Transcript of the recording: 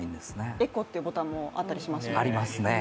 エコということもあったりしますね。